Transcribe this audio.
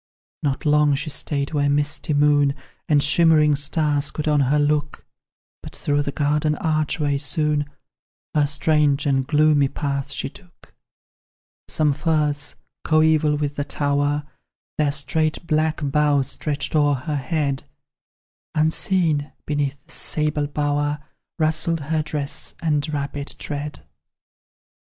Not long she stayed where misty moon And shimmering stars could on her look, But through the garden archway soon Her strange and gloomy path she took. Some firs, coeval with the tower, Their straight black boughs stretched o'er her head; Unseen, beneath this sable bower, Rustled her dress and rapid tread.